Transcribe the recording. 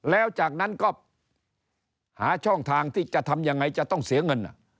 แล้วจากนั้นก็หาช่องทางที่จะทำยังไงจะต้องเสียเงิน